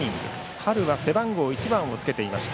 春は背番号１番をつけていました。